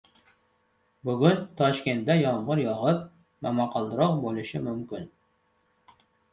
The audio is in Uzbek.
Bugun Toshkentda yomg‘ir yog‘ib, momaqaldiroq bo‘lishi mumkin